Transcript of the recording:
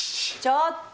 ちょっと！